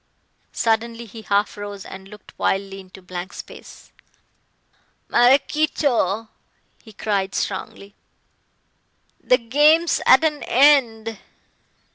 Suddenly he half rose and looked wildly into blank space. "Maraquito," he cried strongly, "the game's at an end.